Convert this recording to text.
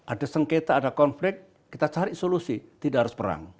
ada sengketa ada konflik kita cari solusi tidak harus perang